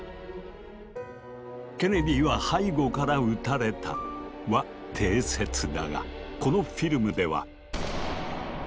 「ケネディは背後から撃たれた」は定説だがこのフィルムでは。